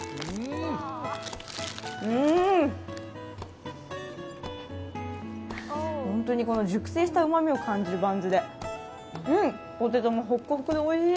うーん本当に熟成したうまみを感じるバンズでポテトも本当においしい。